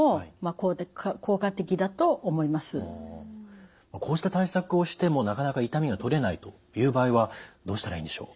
こうした対策をしてもなかなか痛みがとれないという場合はどうしたらいいんでしょう？